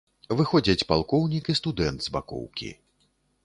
Выходзяць палкоўнік і студэнт з бакоўкі.